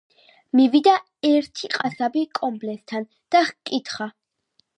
მივიდა ერთი ყასაბი კომბლესთან და ჰკითხა: